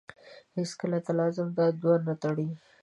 هېڅکله تلازم دا دوه نه تړي.